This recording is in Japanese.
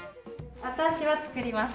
私は作ります